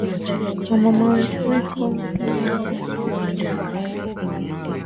Wa mama weko piya na haki ya ku tumIka